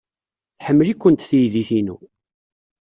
Tḥemmel-ikent teydit-inu.